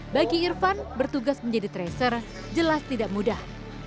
bagi irfan bertugas menjadi tracer jelas tidak mudah